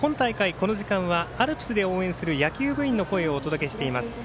この時間はアルプスで応援する野球部員の声をお届けしています。